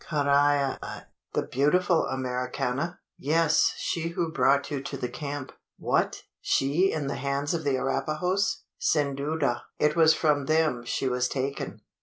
Carrai i!" "The beautiful Americana?" "Yes she who brought you to the camp." "What! She in the hands of the Arapahoes?" "Sin duda; it was from them she was taken."